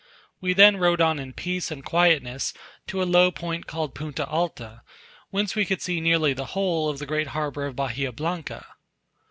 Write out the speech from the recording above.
We then rode on in peace and quietness to a low point called Punta Alta, whence we could see nearly the whole of the great harbour of Bahia Blanca.